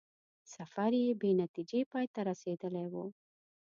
سفر یې بې نتیجې پای ته رسېدلی وو.